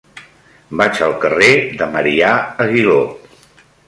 Vaig al carrer de Marià Aguiló.